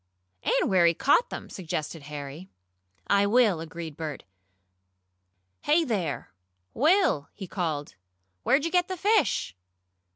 "And where he caught them," suggested Harry. "I will," agreed Bert. "Hey there, Will!" he called. "Where'd you get the fish?"